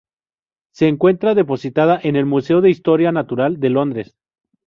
Se encuentra depositada en el Museo de Historia Natural, de Londres.